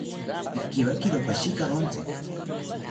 Pikiwakiro pashikawontzi